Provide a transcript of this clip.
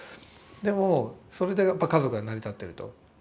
でもそれで家族が成り立ってると。